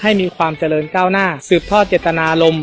มีความเจริญก้าวหน้าสืบทอดเจตนารมณ์